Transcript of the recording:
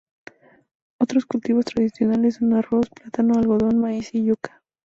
Otros cultivos tradicionales son arroz, plátano, algodón, maíz y yuca.